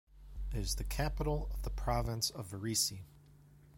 It is the capital of the Province of Varese.